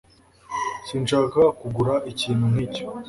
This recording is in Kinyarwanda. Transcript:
sinshaka kugura ikintu nkicyo